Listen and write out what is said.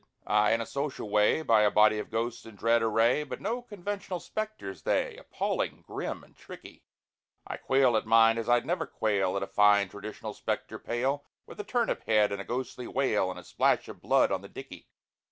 Ay, in a social way By a body of ghosts in dread array; But no conventional spectres they— Appalling, grim, and tricky: I quail at mine as I'd never quail At a fine traditional spectre pale, With a turnip head and a ghostly wail, And a splash of blood on the dickey!